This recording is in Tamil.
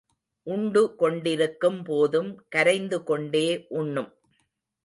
உண்டு கொண்டிருக்கும் போதும் கரைந்துகொண்டே உண்ணும்.